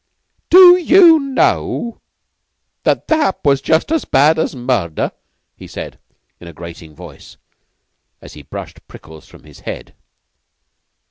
"Do you know that that was just as bad as murder?" he said, in a grating voice, as he brushed prickles from his head.